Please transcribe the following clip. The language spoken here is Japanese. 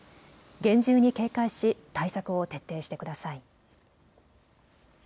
厳重に警戒し対策を徹底してください。